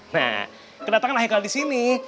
nah kedatangan haikal disini